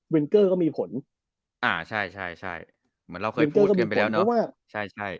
เว้นเกอร์ก็มีผลเพราะว่า